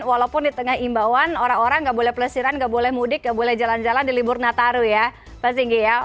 walaupun di tengah imbauan orang orang nggak boleh pelesiran nggak boleh mudik nggak boleh jalan jalan di libur nataru ya pak singgi ya